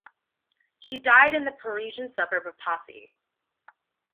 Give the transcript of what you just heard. He died in the Parisian suburb of Passy.